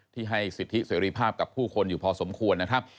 ที่ให้สิทธิเสรีภาพกับผู้คนอยู่พอสมควรนะครับ